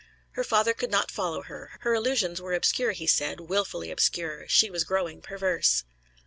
Her father could not follow her; her allusions were obscure, he said, wilfully obscure; she was growing perverse.